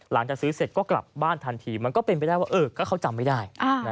หลังจากซื้อเสร็จก็กลับบ้านทันทีมันก็เป็นไปได้ว่าเขาจำไม่ได้